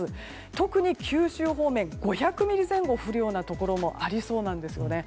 特に九州方面５００ミリ前後降るようなところもありそうなんですよね。